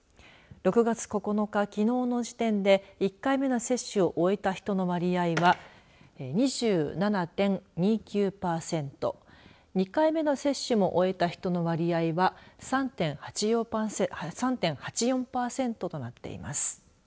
６月９日きのうの時点で１回目の接種を終えた人の割合は２７．２９パーセント２回目の接種も終えた人の割合は３．８４パーセントとなっています。